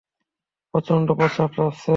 প্রচন্ড প্রসাব চাপছে।